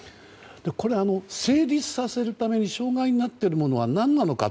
これは、成立させるため障害になっていることは何なのか。